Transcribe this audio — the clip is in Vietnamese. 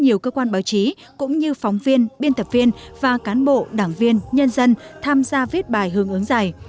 nhiều cơ quan báo chí cũng như phóng viên biên tập viên và cán bộ đảng viên nhân dân tham gia viết bài hướng ứng giải